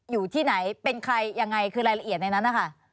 อยู่ที่ไหนเป็นใครยังไงคือรายละเอียดในนั้นนะคะ